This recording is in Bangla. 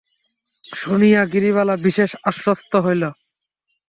শুনিয়া গিরিবালা বিশেষ আশ্বস্ত হইল।